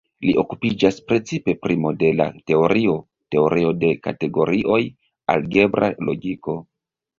Li okupiĝas precipe pri modela teorio, teorio de kategorioj, algebra logiko.